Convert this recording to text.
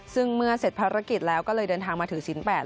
ซึ่งเมื่อเสร็จภารกิจแล้วก็เลยเดินทางมาถือศีลแปด